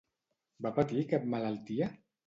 Va patir cap malaltia?